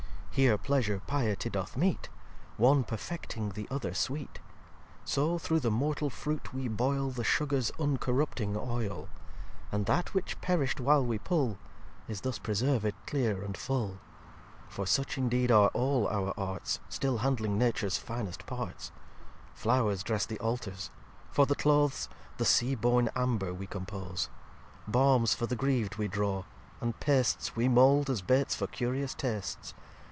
Here Pleasure Piety doth meet; One perfecting the other Sweet. So through the mortal fruit we boyl The Sugars uncorrupting Oyl: And that which perisht while we pull, Is thus preserved clear and full. xxiii "For such indeed are all our Arts; Still handling Natures finest Parts. Flow'rs dress the Altars; for the Clothes, The Sea born Amber we compose; Balms for the griv'd we draw; and pasts We mold, as Baits for curious tasts.